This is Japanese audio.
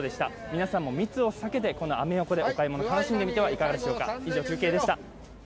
皆さんも密を避けてこのアメ横でお買い物を楽しんでみてはいかがでしょうか。